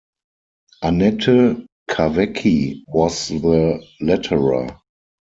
Annette Kawecki was the letterer.